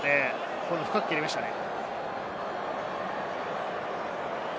今度は深く蹴りましたね。